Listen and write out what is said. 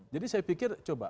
jadi saya pikir coba